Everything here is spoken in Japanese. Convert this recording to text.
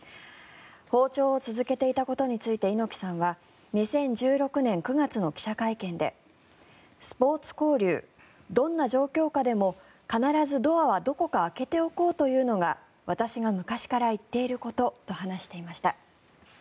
訪朝を続けていたことについて猪木さんは２０１６年９月の記者会見でスポーツ交流どんな状況下でも必ずドアはどこか開けておこうというのが私が昔から言っていることと話していました。